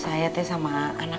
saya teh sama anak anak